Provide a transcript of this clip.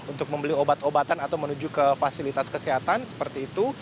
untuk membeli obat obatan atau menuju ke fasilitas kesehatan seperti itu